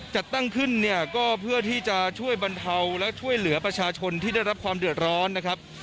จัดตั้งขึ้นเนี่ยก็เพื่อที่จะช่วยบรรเทาและช่วยเหลือประชาชนที่ได้รับความเดือดร้อนนะครับ